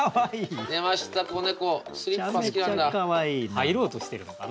入ろうとしてるのかな？